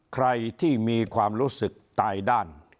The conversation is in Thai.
ใครที่มีความรู้สึกตายด้าน